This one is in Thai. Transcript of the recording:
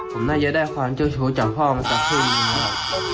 ผมน่าจะได้ความเจ้าโชว์จากพ่อมันกับเพื่อนมีนะครับ